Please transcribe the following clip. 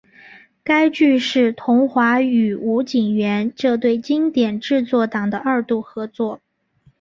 该剧是桐华与吴锦源这对经典制作档的二度合作。